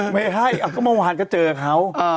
ไม่ใช่เมื่อวันก็เจอเขา